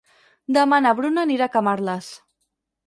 Demà na Bruna anirà a Camarles.